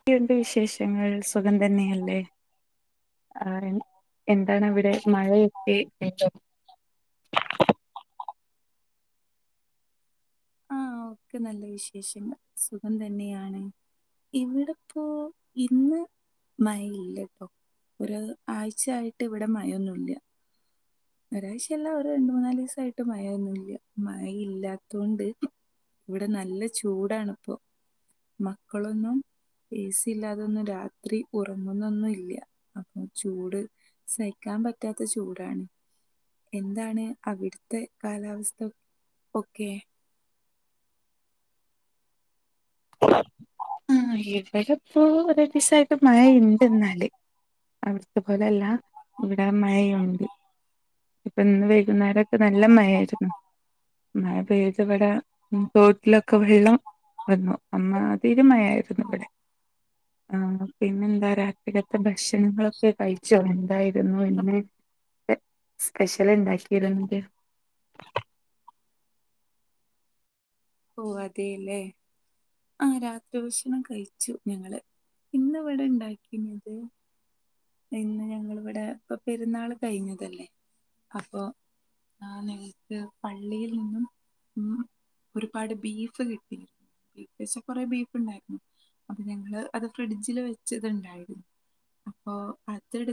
ക്കെയുണ്ട് വിശേഷങ്ങൾ സുഖം തന്നെയല്ലേ ആഹ് എന്താണ് അവിടെ മഴയൊക്കെ [unintelligible] ആഹ് ഒക്കെ നല്ല വിശേഷങ്ങൾ സുഖം തന്നെയാണ് ഇവിടെപ്പോ ഇന്ന് മയയില്ല ട്ടോ ഒരു ആഴ്ചയായിട്ട് ഇവിടെ മഴയൊന്നുംല്ല ഒരാഴ്ചയല്ല ഒരു രണ്ട് മൂന്നാല് ദിവസായിട്ട് മഴൊന്നുമില്ല മഴ ഇല്ലാത്ത കൊണ്ട് ഇവിടെ നല്ല ചൂടാണ്പ്പൊ മക്കളൊന്നും എ സി ഇല്ലാതൊന്നും രാത്രി ഉറങ്ങുന്നൊന്നും ഇല്ല. അപ്പൊ ചൂട്, സഹിക്കാൻ പറ്റാത്ത ചൂടാണ്. എന്താണ് അവിടുത്തെ കാലാവസ്ഥ ഒക്കെ? ആഹ് ഇവിടിപ്പോ രണ്ട് ദിവസായിട്ട് മഴ ഉണ്ട് എന്നാല്. അവിടത്തെ പോലല്ല. ഇവിടെ മഴയുണ്ട്. ഇപ്പൊ ഇന്ന് വൈകുന്നേരം, നല്ല മഴയായിരുന്നു. മഴ പെയ്തിവിടെ തോട്ടിലൊക്കെ വെള്ളം വന്നു. അമ്മാതിരി മഴയായിരുന്നു ഇവിടെ. ആഹ് പിന്നെ എന്താ രാത്രീലത്തെ ഭക്ഷണങ്ങളൊക്കെ കഴിച്ചോ? എന്തായിരുന്നു ഇന്ന്? സ്പെഷ്യല് ഇണ്ടാക്കിയത് [unintelligible] ഓ അതേല്ലേ. ആഹ് രാത്രി ഭക്ഷണം കഴിച്ചു ഞങ്ങള്. ഇന്ന് ഇവിടെ ഇണ്ടാക്കിത്, ഇന്ന് ഞങ്ങളിവിടെ ഇപ്പം പെരുന്നാള് കഴിഞ്ഞതല്ലേ. അപ്പൊ ആഹ് [unintelligible] ക്ക് പള്ളിയിൽ നിന്നും ഉം, ഒരുപാട് ബീഫ് കിട്ടിയിരുന്നു. ഏകദേശം കൊറേ ബീഫ് ഉണ്ടായിരുന്നു. അപ്പൊ ഞങ്ങള് അത് ഫ്രിഡ്ജില് വെച്ചത് ഉണ്ടായിരുന്നു. ഓ അതെടു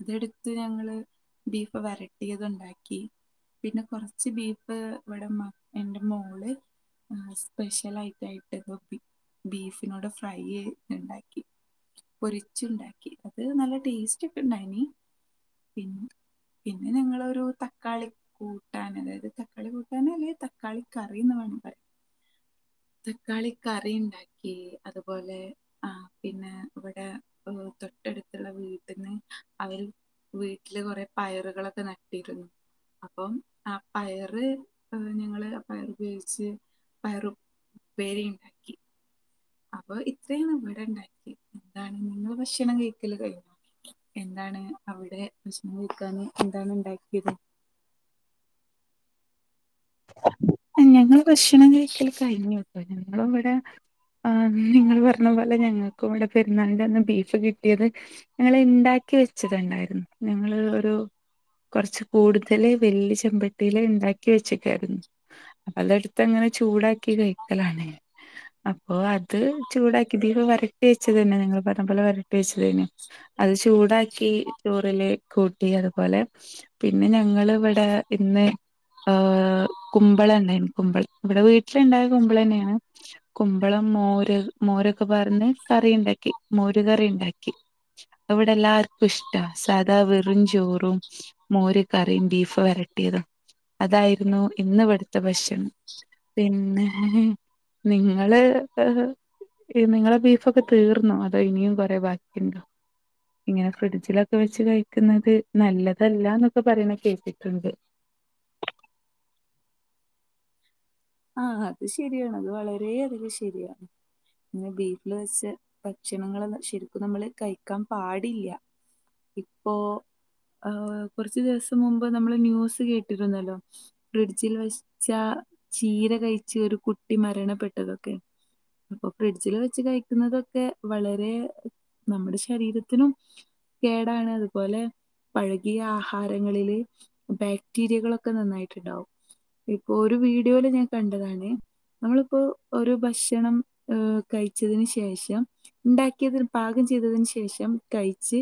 അതെടുത്ത് ഞങ്ങള് ബീഫ് വരട്ടിയത് ഉണ്ടാക്കി. പിന്നെ കൊറച്ച് ബീഫ് ഇവിടെ എന്റെ മോള്, ഉം സ്പെഷ്യൽ ആയിട്ടായിട്ട് [unintelligible] ബീഫിനോട് ഫ്രൈയ് ഇണ്ടാക്കി. പൊരിച്ചുണ്ടാ ക്കി. അത് നല്ല ടേസ്റ്റ് ഒക്കെ ഉണ്ടായിനി. പിന് പിന്നെ ഞങ്ങളൊരു, തക്കാളി കൂട്ടാന് അതായത് തക്കാളി കൂട്ടാൻ അല്ല തക്കാളി കറി എന്ന് വേണം പറയാ. തക്കാളി കറി ഇണ്ടാ ക്കി. അതുപോലെ ആഹ് പിന്നെ ഇവിടെ മു തൊട്ടടുത്തുള്ള വീട്ടിന്ന്, അവര് വീട്ടില് കൊറേ പയറുകളൊക്കെ നട്ടിരുന്നു. അപ്പം ആഹ് പയറ് ഞങ്ങള് പയറ് ഉപയോഗിച്ച് പയർ ഉപ്പേരി, അപ്പൊ ഇത്രേണ് ഇവിടെ ഉണ്ടാക്കിയത്. എന്താണ് നിങ്ങള് ഭക്ഷണം കഴിക്കല് കഴിഞ്ഞോ? എന്താണ് അവിടെ ഭക്ഷണം കയിക്കാന് എന്താണ് ഉണ്ടാക്കിയത്? ഞങ്ങള് ഭക്ഷണം കഴിക്കല് കഴിഞ്ഞു. ഇപ്പം ഞങ്ങളിവിടെ ആഹ് നിങ്ങള് പറഞ്ഞ പോലെ ഞങ്ങൾക്കും ഇവിടെ പെരുന്നാളിന്റെയന്ന് ബീഫ് കിട്ടിയത്, ഞങ്ങള് ഇണ്ടാക്കി വെച്ചതുണ്ടായിരുന്നു. ഞങ്ങള് ഒരു കൊറച്ച് കൂടുതല് വല്യ ചെമ്പട്ടിയില് ഇണ്ടാക്കി വെച്ച ക്കാരുന്ന്‌. അപ്പൊ അതെടുത്ത് അങ്ങനെ ചൂടാക്കി കഴിക്കലാണ്. അപ്പോ അത് ചൂടാക്കി ബീഫ് വരട്ടി വെച്ച തന്നെ, നിങ്ങൾ പറഞ്ഞ പോലെ വര ട്ടി [unintelligible] അത് ചൂടാക്കി ചോറില് കൂട്ടി. അതുപോലെ പിന്നെ ഞങ്ങള് ഇവിടെ ഇന്ന് ഏഹ് കുമ്പളം ഉണ്ടായിരുന്നു കുമ്പളം. ഇവിടെ വീട്ടിലുണ്ടായ കുമ്പള തന്നെണ്. കുമ്പളം മോര് മോരൊക്കെ പറഞ്ഞ്, കറി ഉണ്ടാക്കി, മോര് കറി ഉണ്ടാക്കി. ഇവടെല്ലാ ഇഷ്ടാ സാദാ വെറും ചോറും, മോര് കറീം ബീഫ് വരട്ടിയതും അതായിരുന്നു ഇന്ന് ഇവിടുത്തെ ഭക്ഷണം. പിന്നെ നിങ്ങള് [unintelligible] നിങ്ങളെ ബീഫൊക്കെ തീർന്നോ? അതോ ഇനിയും കൊറേ ബാക്കിയുണ്ടോ? ഇങ്ങനെ ഫ്രിഡ്ജിലൊക്കെ വെച്ച് കഴിക്കുന്നത് നല്ലതല്ല എന്നൊക്കെ പറയണെ കേട്ടിട്ടുണ്ട്. ആഹ് അത് ശരിയാണ്. അത് വളരേ അധികം ശരിയാണ്. പിന്നെ വീട്ടില് വെച്ച് ഭക്ഷണങ്ങള് ശരിക്കും നമ്മള് കഴിക്കാൻ പാടില്ല്യ. ഇപ്പോ ആഹ് കുറച്ച് ദിവസം മുമ്പ് നമ്മള് ന്യൂസ് കേട്ടിരുന്നല്ലോ. ഫ്രിഡ്ജിൽ വെച്ച ചീര കഴിച്ച് ഒരു കുട്ടി മരണപ്പെട്ടതൊക്കെ. അപ്പൊ ഫ്രിഡ്ജില് വെച്ച് കഴിക്കുന്നതൊക്കെ വളരേ നമ്മുടെ ശരീരത്തിനും, കേടാണ് അതുപോലെ പഴകിയ ആഹാരങ്ങളില് ബാക്ടീരിയകളൊക്കെ നന്നായിട്ടുണ്ടാവും ഇപ്പൊ ഒരു വീഡിയോയില് ഞാൻ കണ്ടതാണ് നമ്മളിപ്പോ ഒരു ഭക്ഷണം ഏ കഴിച്ചതിന് ശേഷം ഉണ്ടാക്കിയതിന് പാകം ചെയ്തതിന് ശേഷം കഴിച്ച്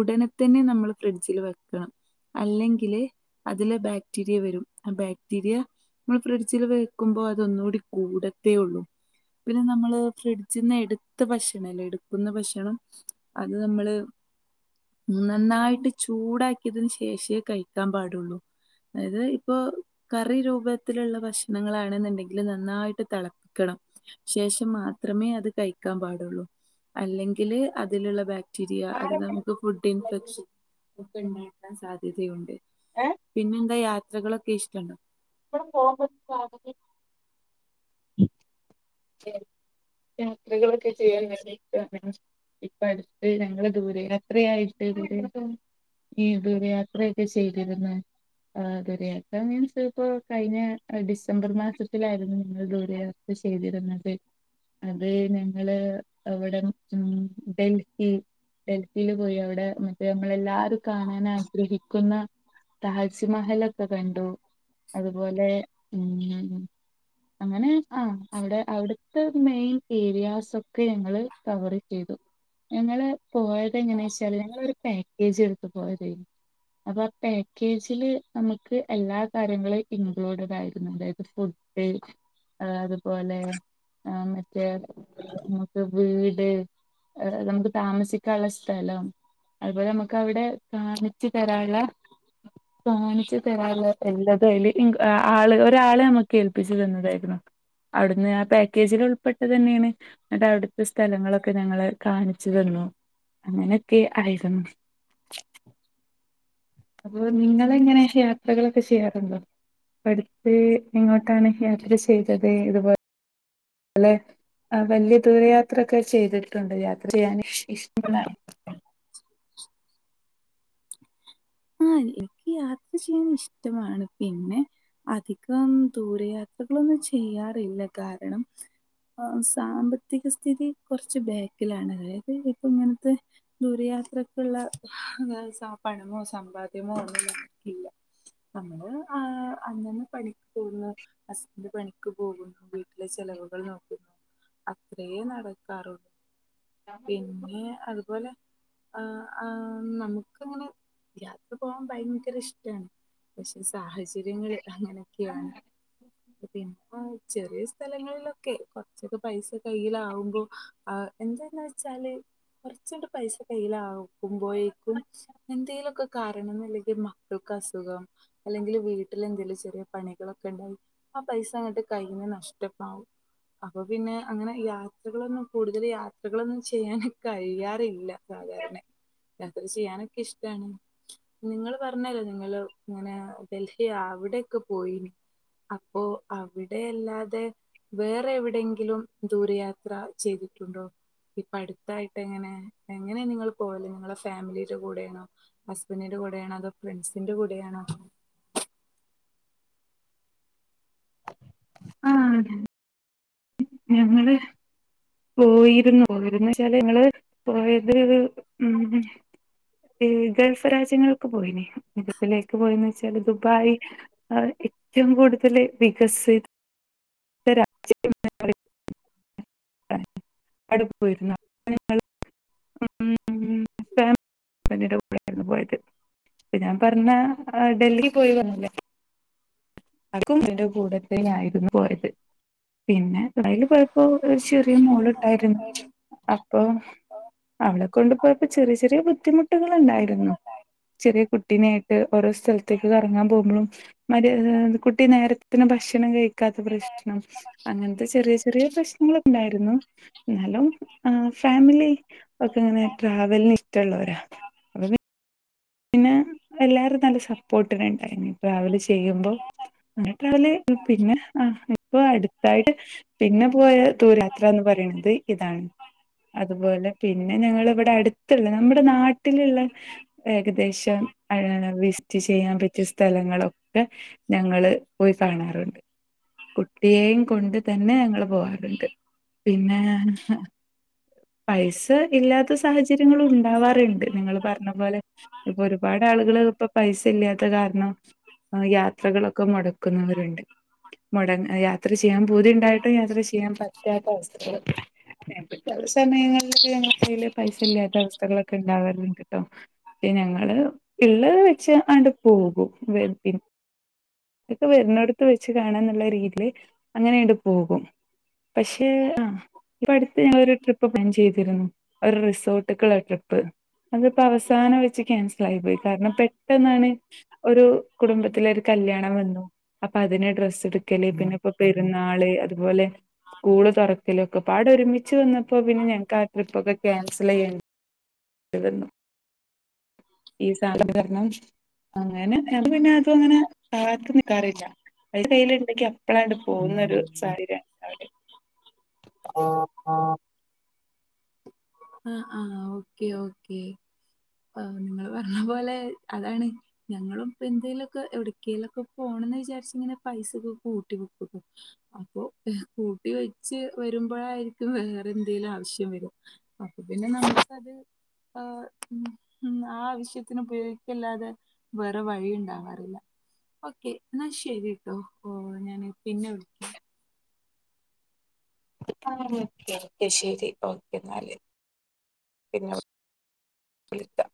ഉടനെ തന്നെ നമ്മള് ഫ്രിഡ്ജിൽ വെക്കണം അല്ലെങ്കില് അതില് ബാക്ടീരിയ വരും ആ ബാക്ടീരിയ ഫ്രിഡ്ജിൽ വെക്കുമ്പോ അതൊന്നുകൂടി കൂടത്തേള്ളൂ പിന്നെ നമ്മള് ഫ്രി ഡ്‌ജീന്ന് എടുത്ത ഭക്ഷണം ഇല്ലേ എടുക്കുന്ന ഭക്ഷണം അത് നമ്മള് നന്നായിട്ട് ചൂ ചൂടാക്കിയതിന് ശേഷമേ കഴിക്കാൻ പാടുള്ളൂ അതായത് ഇപ്പൊ കറി രൂപ ത്തിലുള്ള ഭക്ഷണങ്ങള് ആണെന്നുണ്ടെങ്കില് നന്നായിട്ട് തിളപ്പിക്കണം ശേഷം മാത്രമേ അത് കഴിക്കാൻ പാടുള്ളൂ അല്ലെങ്കില് അതിലുള്ള ബാ ക്ടീരിയ അത് നമുക്ക് ഫുഡ് ഇൻഫെക്ഷൻ ഒക്കെ ഉണ്ടാക്കാൻ സാധ്യതയുണ്ട് ഏഹ് പിന്നെന്താ യാത്രകളൊക്കെ ഇഷ്ടണ്ടോ [unintelligible] പോകുമ്പോ [unintelligible] യാത്രകളൊക്കെ ചെയ്യാൻ വല്ല്യ ഇഷ്ടമാണ് ഇപ്പ അടുത്ത് ഞങ്ങള് ദൂര യാത്രയായിട്ട് ഈ ദൂരയാത്രയൊക്കെ ചെയ്തിരുന്നു ആഹ് ദൂരയാത്ര മീൻസ് ഇപ്പോ കഴിഞ്ഞ ഡിസംബർ മാസത്തിലായിരുന്നു ഞങ്ങൾ ദൂരയാത്ര ചെയ്തി എന്നിട്ട് അത് ഞങ്ങള് അവിടെ ഉം ഡൽഹി ഡൽഹിയിൽ പോയി അവിടെ മറ്റേ നമ്മളെല്ലാരും കാണാൻ ആഗ്രഹിക്കുന്ന താജ്മഹല്ല് ഒക്കെ കണ്ടു അതുപോലെ ഉം അങ്ങനെ ആ അവിടെ അവിടുത്തെ മെയിൻ ഏരിയാസ് ഒക്കെ ഞങ്ങള് കവറ് ചെയ്തു ഞങ്ങള് പോയത് എങ്ങനാ വെച്ചാല് ഞങ്ങള് ഒരു പാക്കേജ് എടുത്ത് പോയതാരുന്നു അപ്പൊ ആ പാക്കേജില് നമുക്ക് എല്ലാ കാര്യങ്ങളും ഇൻക്ലൂഡഡ് ആയിരുന്നു അതായത് ഫു ഡ് അതുപോലെ ആ മറ്റേ നമുക്ക് വീട് നമുക്ക് താമസിക്കാനുള്ള സ്ഥലം അതുപോലെ നമുക്ക് അവിടെ കാണിച്ചു തരാനുള്ള കാണിച്ചു തരാല് എല്ലതല് ആള് ഒരാളെ നമ്മുക്ക് ഏൽപ്പിച്ചു തന്നതായിരുന്നു അവിടുന്ന് ആ പാക്കേജിൽ ഉൾപ്പെട്ടത് തന്നെയാണ് എന്നിട്ട് അവിടുത്തെ സ്ഥലങ്ങളൊക്കെ ഞങ്ങളെ കാണിച്ചു തന്നു അങ്ങനെയൊക്കെ ആയിരുന്നു അപ്പൊ നിങ്ങള് എങ്ങനെ യാത്രകളൊക്കെ ചെയ്യാറുണ്ടോ അടുത്ത് എങ്ങോട്ടാണ് യാത്ര ചെയ്തത് ഇതുപോ ലെ വല്ല്യ ദൂര യാത്രൊക്കെ ചെയ്തിട്ടുണ്ടോ യാത്ര ചെയ്യാൻ ഇഷ്ടമാണോ ആ എനിക്ക് യാത്ര ചെയ്യാൻ ഇഷ്ടമാണ് പിന്നെ അധികം ദൂരയാത്രകളൊന്നും ചെയ്യാറില്ല കാരണം ആഹ് സാമ്പത്തിക സ്ഥിതി കുറച്ച് ബാക്കിലാണ് അതായത് ഇപ്പൊ ഇങ്ങനത്തെ ദൂരയാത്രക്കുള്ള പണമോ സമ്പാദ്യമോ ഒന്നും നമ്മക്ക് ഇല്ല നമ്മള് ആ അന്നന്ന് പണിക്ക്‌ പോകുന്നു ഹസ്ബഡ്‌ പണിക്ക് പോകുന്നു വീട്ടിലെ ചെലവുകൾ നോക്കുന്നു അത്രയേ നടക്കാറുള്ളൂ പിന്നെ അതുപോലെ ആ ആ നമുക്ക് അങ്ങനെ യാത്ര പോകൻ ഭയങ്കര ഇഷ്ടമാണ് പക്ഷെ സാഹചര്യങ്ങള് അങ്ങനൊ ക്കെയാണ് പിന്നെ ചെറിയ സ്ഥലങ്ങളിലൊക്കെ കുറച്ചൊക്കെ പൈസ കയ്യില് ആകുമ്പോ ആഹ് എന്താന്ന് വെച്ചാല് കുറച്ചങ്ങട്ട് പൈസ കയില് ആകു മ്പോഴേക്കും എന്തെേലുമൊക്കെ കാരണം ഒന്നില്ലെങ്കിൽ മക്കൾക്ക് അസുഖം അല്ലെങ്കിൽ വീട്ടിൽ എന്തേലും ചെറിയ പണികളൊക്കെ ഉണ്ടാവും ആ പൈസ അങ്ങട്ട് കയ്ന്ന് നഷ്ടപ്പാവും അപ്പൊ പിന്നെ അങ്ങനെ യാത്രകളൊന്നും കൂടുതൽ യാത്രകളൊന്നും ചെയ്യാന് കഴിയാറില്ല സാധാരണ യാത്ര ചെയ്യാനൊക്കെ ഇഷ്ടാണ് നിങ്ങപറഞ്ഞല്ലോ നിങ്ങഇങ്ങനെ ഡൽഹി അവിടൊക്കെ പോയി അപ്പോ അവിടെയല്ലാതെ വേറെ എവിടെയങ്കിലും ദൂരയാത്ര ചെയ്തിട്ടുണ്ടോ ഇപ്പ അടുത്തായിട്ട് എങ്ങനെ എങ്ങനെ നിങ്ങൾ പോവല നിങ്ങളെ ഫാമിലിടെ കൂടെയാണോ ഹസ്ബൻഡറിന്റെ കൂടെയാണോ അതോ ഫ്രണ്ട്സിന്റെ കൂടെയാണോ ആ അതെ ഞങ്ങള് പോയിരുന്നു പോയിരുന്നു വെച്ചാല് ഞങ്ങള് പോയത് ഉം ഗൾഫ് രാജ്യങ്ങൾക്ക് പോയിനിം ഇടുപ്പിലേക്ക് പോയന്ന് വെച്ചാല് ദുബായ് ഏറ്റവും കൂടുതൽ വികസ് രാ [unintelligible] അവിടെപോയിരുന്നു [unintelligible] പിന്നീ കൂടൊയിരുന്നു പോയത് അപ്പ ഞാൻ പറഞ്ഞ ഡൽഹി പോയി വന്നല്ലേ കാക്കു ഇതിന്റെ കൂടത്തായിരുന്നു പോയത് പിന്നെ കടയില് പോയപ്പോ ഒരു ചെറിയ മോളുണ്ടായിരുന്നു അപ്പൊ അവളെ കൊണ്ടുപയപ്പോ ചെറിയ ചെറിയ ബുദ്ധിമുട്ടുകൾ ഉണ്ടായിരുന്നു ചെറിയ കുട്ടീനേയിട്ട് ഓരോ സ്ഥലത്തേക്ക് കറങ്ങാൻ പോകുമ്പോഴും മര് കുട്ടി നേരത്തിന് ഭക്ഷണം കഴിക്കാത്ത പ്രശ്നം അങ്ങനത്തെ ചെറിയ ചെറിയ പ്രശ്നം നിങ്ങള്ഉണ്ടായിരുന്നു ഞാനും ഫാമിലി ഒക്കെ ഇങ്ങനെ ട്രാവലന് ഇഷ്ടമുള്ളവരാ പിന്നെ എല്ലാരും നല്ല സപ്പോർട്ടിന ഉണ്ടായിരുന്നു ട്രാവല് ചെയ്യുമ്പോ അങ്ങട്ടാവല് പിന്നെ ആ ഇപ്പൊ അടുത്തായിട്ട് പിന്നെ പോയ ദൂരായാത്ര എന്ന് പറയുന്നത് ഇതാണ് അതുപോലെ പിന്നെ ഞങ്ങള് ഇവിടെ അടുത്തുള്ള നമ്മുടെ നാടട്ടി വീട്ടിലുള്ള ഏകദേശം വിസിറ്റ് ചെയ്യാൻ പറ്റിയ സ്ഥലങ്ങളൊ ഞങ്ങള് പോയി കാണാറുണ്ട് കുട്ടിയേും കൊണ്ട് തന്നെ ഞങ്ങള് പോവാറുണ്ട് പിന്നെ പൈസ ഇല്ലാത്ത സാഹചര്യങ്ങളു ഉണ്ടാവാറുണ്ട് നിങ്ങള്പറഞ്ഞ പോലെ ഇപ്പൊ ഒരുപാട് ആളുകൾ ഇപ്പൊ പൈസ ഇല്ലാത്ത കാരണം യാത്രകളൊക്കെ മുടക്കുന്നവരുണ്ട് മുട യാത്ര ചെയ്യാൻ പൂതി ഉണ്ടായിട്ട് യാത്ര ചെയ്യാൻ പറ്റാത്ത അവസ്ഥകൾ ചിലസമയങ്ങള യില് പൈസ ഇല്ലാത്ത അവസ്ഥകളൊക്കെ ഉണ്ടാവാറുണ്ട് കേട്ടോ പിന്നെ ഞങ്ങള് ഉള്ളത് വെച്ച് അണ്ട് പോകും അതൊക്കെ വരുന്നെടുത്ത് വെച്ച് കാണാന്നുള്ള രീതിൽ അങ്ങനെയണ്ട് പോകും പക്ഷേ ആ ഇപ്പ അടുത്ത് ഞ ങ്ങ ളൊരു ട്രിപ്പ്പ്ലാൻ ചെയ്തിരുന്നു ഒരു റിസോർട്ടക്കുള്ള ട്രിപ്പ് അതിപ്പോ അവസാനം വെച്ച് ക്യാൻസ പോയി കാരണം പെട്ടെന്നാണ് ഒരു കുടുംബത്തില കല്യാ ണ്ടാവല് അപ്പൊ അതിനെ ഡ്രസ് എടുക്കല് പിന്നെ ഇപ്പ പെരുന്നാള് അതുപോലെ സ്കൂള് തുറക്കലൊക്കെ പാട ഒരുമിച്ച് വന്നപ്പോ പിന്നെ ഞങ്ങക്ക് ആ ട്രിപ്പ് ഒക്കെ ക്യാൻസൽ ചെയ്യേ ഈ സധകരണം അങ്ങനെ അത് പിന്നെ ഇപ്പോ അങ്ങനെ കാത്ത് നിക്കാറില്ല അതി കയ്ൽ ഇണ്ടെങ്കി അപ്പളാണ്ട് പോകുന്നൊ ഒരു സാഹചര്യ അവര് [unintelligible] ആഹാ ആഹാ ഓക്കെ ഓക്കെ നിങ്ങൾ പറഞ്ഞ പോലെ അതാണ് ഞങ്ങളൾ ഇപ്പ എന്തേലുംലൊക്കെ എവിടക്കയിലൊക്കെ പോണന്ന് വിചാരിച്ച ഇങ്ങനെ പൈസൊക്കെ കൂട്ടി വെക്കും അപ്പൊ കൂട്ടി വെച്ച് വരുമ്പോഴായിരിക്കും വേറെ എന്തേങ്കിലും ആവശ്യം വരാ അപ്പൊ പിന്നെ നമ്മുക്കത് ആ ഉം ഉം ആവശ്യത്തിന് ഉപയോഗിക്കല്ലാതെ വേറെ വഴിയ ണ്ടാവാറില്ല. ഓക്കേ ന്നാ ശരി ട്ടോ ഓഹ് ഞാൻ പിന്നെ വിളി ക്കെ ശരി ഓക്കെ ന്നാല് പിന്നെ വിളിക്കാം